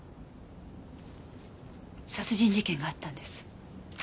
殺人事件があったんです。